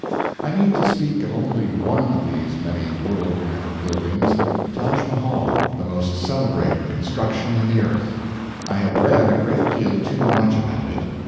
I mean to speak of only one of these many world renowned buildings, the Taj Mahal, the most celebrated construction in the earth. I had read a great deal too much about it.